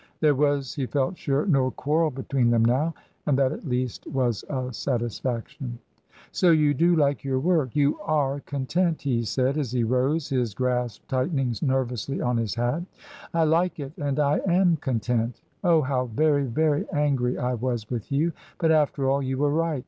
There was, he felt sure, no quarrel between them now ; and that at least was a satisfaction. " So you do like your work ? You are content ?" he said, as he rose, his grasp tightening nervously on his hat "I like it, and I am content Oh, how very, very angry I was with you ! But, after all, you were right.